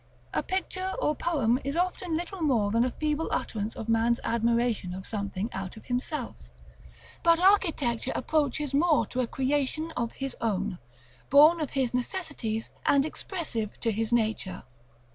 A picture or poem is often little more than a feeble utterance of man's admiration of something out of himself; but architecture approaches more to a creation of his own, born of his necessities, and expressive of his nature.